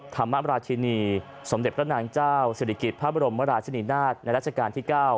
ธรรมราชินีสมเด็จพระนางเจ้าศิริกิจพระบรมราชนีนาฏในราชการที่๙